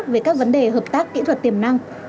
về các vấn đề hợp tác kỹ thuật tiềm năng